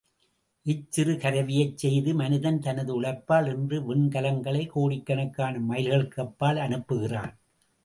இச்சிறு கருவியைச் செய்த மனிதன், தனது உழைப்பால், இன்று விண்கலங்களை கோடிக்கணக்கான மைல்களுக்கு அப்பால் அனுப்புகிறான்.